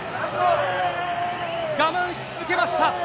我慢し続けました。